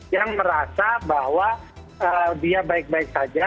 yang merasa bahwa dia baik baik saja